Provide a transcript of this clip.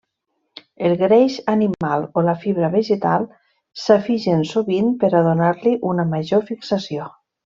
El greix animal o la fibra vegetal s'afigen sovint per a donar-li una major fixació.